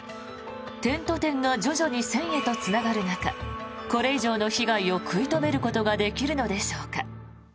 点と点が徐々に線へとつながる中これ以上の被害を食い止めることができるのでしょうか。